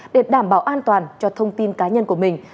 để đảm bảo an toàn cho thông tin cá nhân của mình